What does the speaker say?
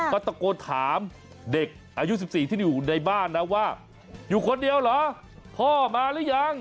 ก็ตะโกนถามเด็กอายุ๑๔ที่อยู่ในบ้านนะว่าอยู่คนเดียวเหรอพ่อมาหรือยัง